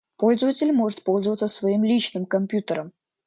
Пользователь может пользоваться своим личным компьютером